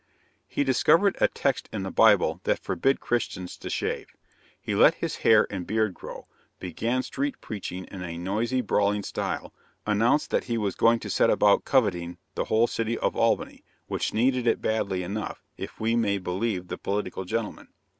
He discovered a text in the Bible that forbid Christians to shave. He let his hair and beard grow; began street preaching in a noisy, brawling style; announced that he was going to set about converting the whole city of Albany which needed it badly enough, if we may believe the political gentlemen.